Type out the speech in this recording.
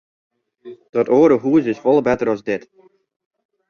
Dat oare hús is folle better as dit.